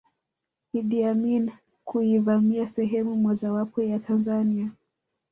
Iddi Amini kuivamia sehemu mojawapo ya Tanzania